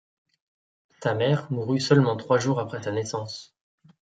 Sa mère mourut seulement trois jours après sa naissance.